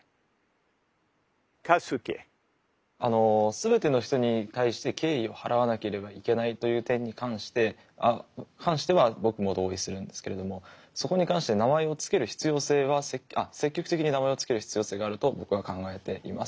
全ての人に対して敬意を払わなければいけないという点に関しては僕も同意するんですけれどもそこに関して名前を付ける必要性は積極的に名前を付ける必要性があると僕は考えています。